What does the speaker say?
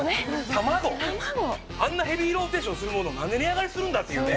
あんなヘビーローテーションするもの、なんで値上がりするんだっていうね。